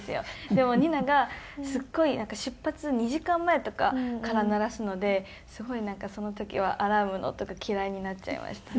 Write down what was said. でもＮＩＮＡがすごい出発２時間前とかから鳴らすのですごいその時はアラームの音が嫌いになっちゃいました。